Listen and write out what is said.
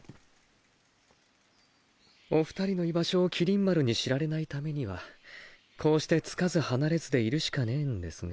お２人の居場所を麒麟丸に知られないためにはこうして付かず離れずでいるしかねえんですが。